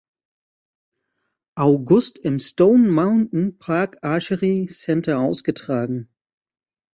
August im Stone Mountain Park Archery Center ausgetragen.